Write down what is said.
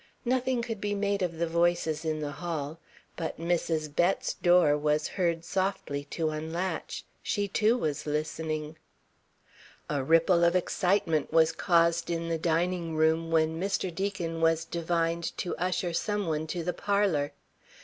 Nothing could be made of the voices in the hall. But Mrs. Bett's door was heard softly to unlatch. She, too, was listening. A ripple of excitement was caused in the dining room when Mr. Deacon was divined to usher some one to the parlour. Mr.